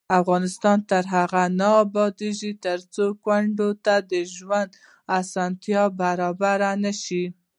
افغانستان تر هغو نه ابادیږي، ترڅو کونډې ته د ژوند اسانتیاوې برابرې نشي.